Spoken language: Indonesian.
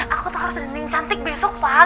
aku tuh harus rening cantik besok pak